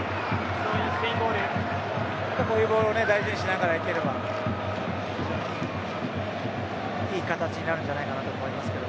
こういうボールを大事にしながら行ければいい形になるんじゃないかなと思いますけど。